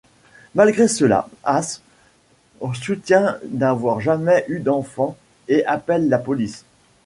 Malgré cela, Ash soutient n'avoir jamais eu d'enfant et appelle la police.